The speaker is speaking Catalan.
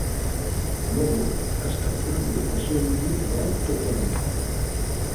Nogo ha estat conegut pel seu inusual topònim.